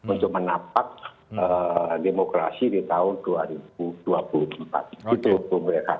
untuk menampak demokrasi di tahun dua ribu dua puluh empat itu untuk mereka